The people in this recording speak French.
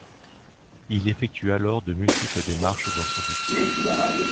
Il effectue alors de multiples démarches dans ce but.